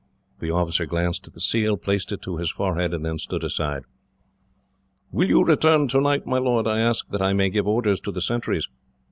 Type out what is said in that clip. The officer glanced at the seal, placed it to his forehead, and then stood aside. "Will you return tonight, my lord? I ask that I may give orders to the sentries."